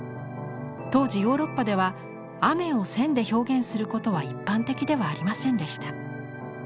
当時ヨーロッパでは雨を線で表現することは一般的ではありませんでした。